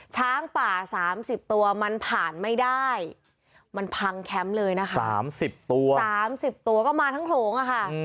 ช้างป่า๓๐ตัวมันผ่านไม่ได้มันพังแคมป์เลยนะคะ๓๐ตัว๓๐ตัวก็มาทั้งโขลงอะค่ะ